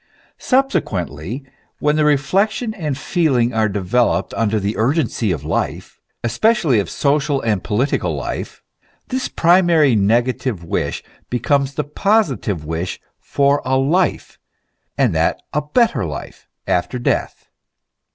Subsequently, when reflection and feeling are developed under the urgency of life, especially of social and political life, this primary negative wish becomes the positive wish for a life, and that a better life, after death.